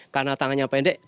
karena tangannya pendek